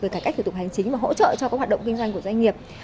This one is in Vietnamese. cải cách thủ tục hành chính và hỗ trợ cho hoạt động kinh doanh doanh nghiệp